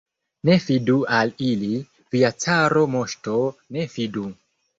Ne fidu al ili, via cara moŝto, ne fidu!